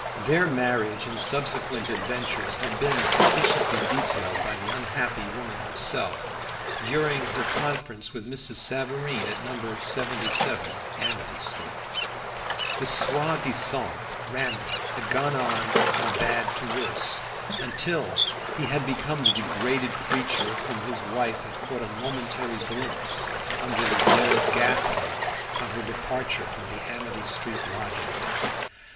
Their marriage and subsequent adventures have been sufficiently detailed by the unhappy woman herself, during her conference with Mrs. Savareen at No. 77 Amity street. The soi disant Randall had gone on from bad to worse, until he had become the degraded creature of whom his wife had caught a momentary glimpse under the glare of gas lamp on her departure from the Amity street lodgings.